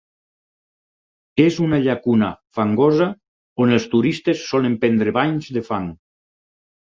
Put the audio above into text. És una llacuna fangosa on els turistes solen prendre banys de fang.